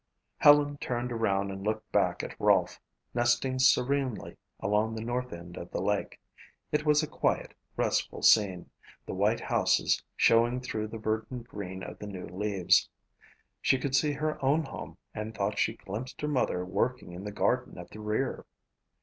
Helen turned around and looked back at Rolfe, nestling serenely along the north end of the lake. It was a quiet, restful scene, the white houses showing through the verdant green of the new leaves. She could see her own home and thought she glimpsed her mother working in the garden at the rear.